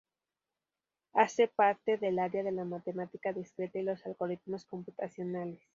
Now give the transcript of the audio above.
Hace parte del área de la matemática discreta y los algoritmos computacionales.